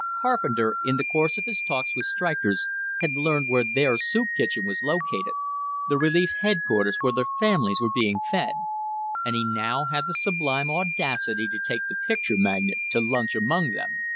Carpenter, in the course of his talks with strikers, had learned where their soup kitchen was located, the relief headquarters where their families were being fed; and he now had the sublime audacity to take the picture magnate to lunch among them!